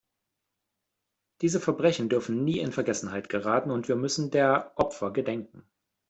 Diese Verbrechen dürfen nie in Vergessenheit geraten, und wir müssen der Opfer gedenken.